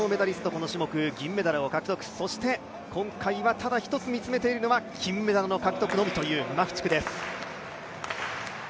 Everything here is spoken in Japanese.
この種目銀メダルを獲得、そして今回はただ一つ見つめているのは金メダルの獲得のみというマフチクです。